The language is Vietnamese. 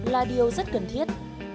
là điều rất cần thiết